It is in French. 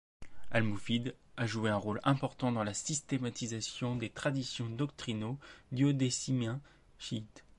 Al-Moufid a joué un rôle important dans la systématisation des traditions doctrinaux duodécimains chiites.